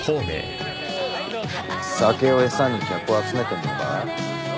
酒を餌に客を集めてんのか？